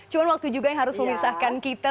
cuma waktu juga yang harus memisahkan kita